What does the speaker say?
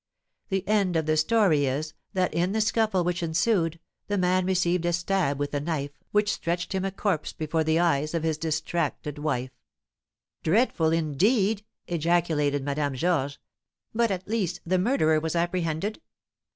The end of the story is, that, in the scuffle which ensued, the man received a stab with a knife, which stretched him a corpse before the eyes of his distracted wife." "Dreadful, indeed!" ejaculated Madame Georges. "But, at least, the murderer was apprehended?"